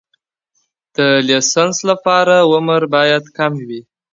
د لیسانس لپاره عمر باید کم وي.